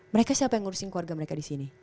mereka siapa yang ngurusin keluarga mereka disini